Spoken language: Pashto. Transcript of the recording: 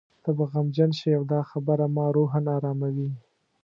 ته به غمجن شې او دا خبره ما روحاً اراموي.